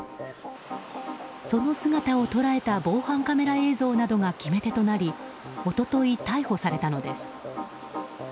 その姿を捉えた防犯カメラ映像などが決め手となり一昨日、逮捕されたのです。